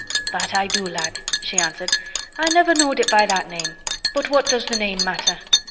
"That I do, lad," she answered. "I never knowed it by that name but what does th' name matter?